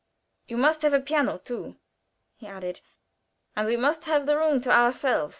"You must have a piano, too," he added; "and we must have the room to ourselves.